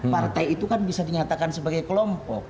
partai itu kan bisa dinyatakan sebagai kelompok